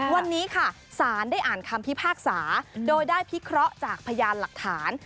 วันนี้ค่ะสารได้อ่านคำพิพากษาโดยได้พิเคราะห์จากพยานหลักฐาน